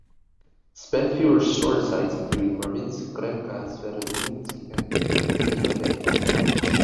Spent fuel storage sites include Murmansk, Gremikha, Severodvinsk and Andreyeva Bay.